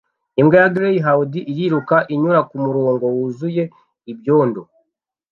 Imbwa ya greyhound iriruka inyura kumurongo wuzuye ibyondo